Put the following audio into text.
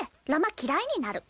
嫌いになる。